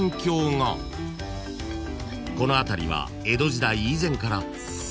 ［この辺りは江戸時代以前から］